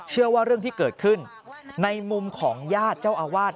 เรื่องที่เกิดขึ้นในมุมของญาติเจ้าอาวาส